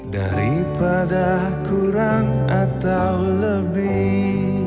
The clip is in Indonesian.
daripada kurang atau lebih